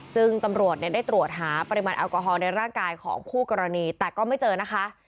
ซึ่งตำรวจได้ตรวจหาปริมาณแอลกอฮอลในร่างกายของคู่กรณีแต่ก็ไม่เจอนะคะ